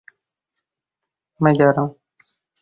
It is notable as the largest surviving work by Frazer.